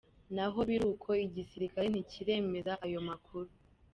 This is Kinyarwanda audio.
Naho biri uko, igisirikare ntikiremeza ayo makuru.